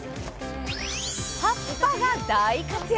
葉っぱが大活躍。